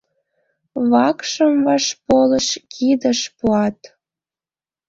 Вакшым вашполыш кидыш пуат.